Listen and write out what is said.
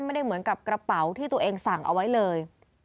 ไม่ได้เหมือนกับกระเป๋าที่ตัวเองสั่งเอาไว้เลย